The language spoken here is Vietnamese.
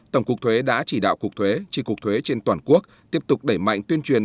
tổng cục thuế đã chỉ đạo cục thuế tri cục thuế trên toàn quốc tiếp tục đẩy mạnh tuyên truyền